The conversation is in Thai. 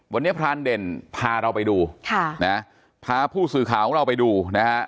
วันนี้พรานเด่นพาเราไปดูค่ะนะพาผู้สื่อข่าวของเราไปดูนะฮะ